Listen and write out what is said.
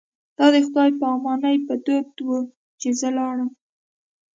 دا د خدای په امانۍ په دود و چې زه لاړم.